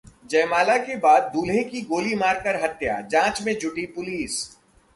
जयमाला के बाद दूल्हे की गोली मारकर हत्या, जांच में जुटी पुलिस